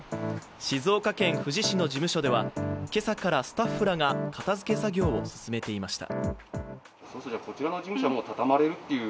静岡県富士市の事務所では、今朝からスタッフらが片づけ作業を進めていました。